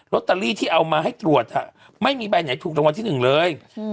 ตเตอรี่ที่เอามาให้ตรวจไม่มีใบไหนถูกรางวัลที่หนึ่งเลย